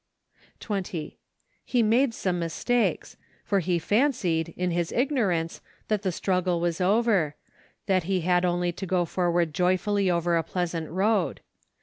APRIL. 45 20. He made some mistakes; for lie fancied, in liis ignorance, that the struggle was over — that he had only to go forward joyfully over a pleasant road.